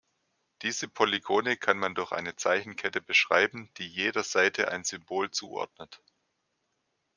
Diese Polygone kann man durch eine Zeichenkette beschreiben, die jeder Seite ein Symbol zuordnet.